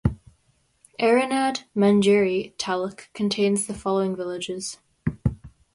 Eranad (Manjeri) taluk contains the following villages.